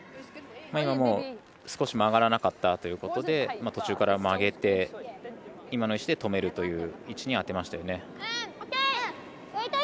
もう少し曲がらなかったということで途中から曲げて今の石で止めるという位置に当てましたよね。